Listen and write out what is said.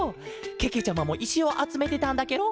けけちゃまもいしをあつめてたんだケロ。